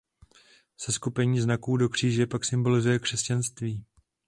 Seskupení znaků do kříže pak symbolizuje křesťanství.